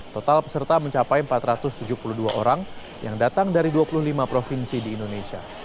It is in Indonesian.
total peserta mencapai empat ratus tujuh puluh dua orang yang datang dari dua puluh lima provinsi di indonesia